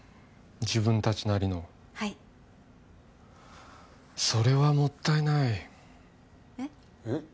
自分達なりのはいそれはもったいないえっ？えっ？